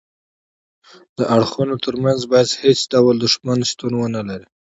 د اړخونو ترمنځ باید هیڅ ډول دښمني شتون ونلري